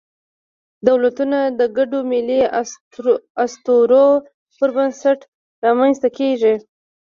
دولتونه د ګډو ملي اسطورو پر بنسټ رامنځ ته کېږي.